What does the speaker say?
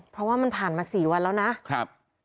เพราะว่ามันผ่านมาสี่วันแล้วนะครับ